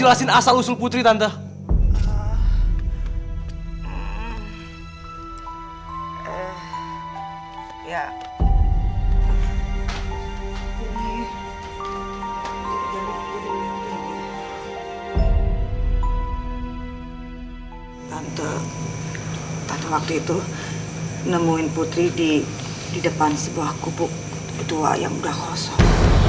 tante tante waktu itu nemuin putri di depan sebuah kubuk tua yang udah kosong